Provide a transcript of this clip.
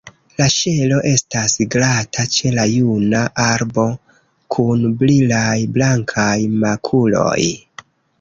La ŝelo estas glata ĉe la juna arbo, kun brilaj, blankaj makuloj.